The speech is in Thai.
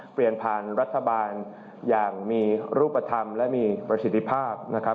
เปลี่ยนผ่านรัฐบาลอย่างมีรูปธรรมและมีประสิทธิภาพนะครับ